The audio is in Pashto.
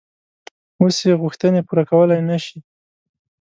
اوس یې غوښتنې پوره کولای نه شي.